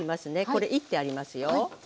これいってありますよ。